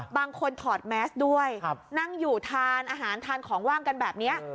ถอดแมสด้วยนั่งอยู่ทานอาหารทานของว่างกันแบบนี้